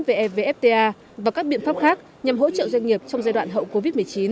về evfta và các biện pháp khác nhằm hỗ trợ doanh nghiệp trong giai đoạn hậu covid một mươi chín